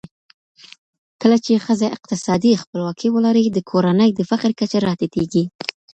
کله چي ښځه اقتصادي خپلواکي ولري، د کورنۍ د فقر کچه راټیټېږي